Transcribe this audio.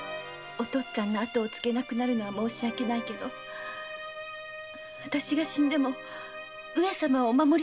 お父っつぁんの跡を継げなくなるのは申し訳ないけどわたしが死んでも上様をお守りしなければ。